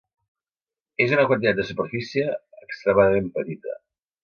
És una quantitat de superfície extremadament petita.